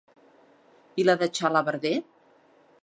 I la de Xalabarder?